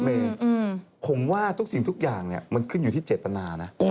เมย์ผมว่าทุกสิ่งทุกอย่างเนี่ยมันขึ้นอยู่ที่เจตนานะ